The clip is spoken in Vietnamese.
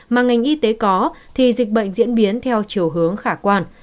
mà ngành y tế có thì dịch bệnh diễn biến theo chiều hướng khả quan